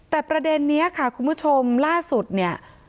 แต่ประเด็นนี้ค่ะคุณผู้ชมล่าสุดเนี่ย